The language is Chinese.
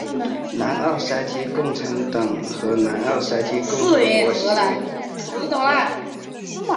南奥塞梯共产党是南奥塞梯共和国的一个共产主义政党。